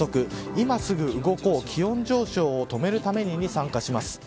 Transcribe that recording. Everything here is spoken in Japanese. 今すぐ動こう気温上昇を止めるためにに参加します。